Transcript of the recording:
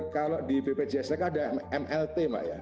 kalau di bpjsk ada mlt